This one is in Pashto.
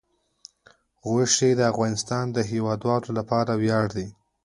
غوښې د افغانستان د هیوادوالو لپاره ویاړ دی.